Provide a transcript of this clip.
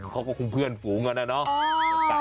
เขาก็คงเพื่อนฝูงกันนะเนาะ